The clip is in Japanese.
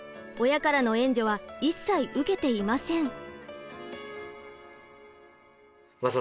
親からの援助は一切受けていません。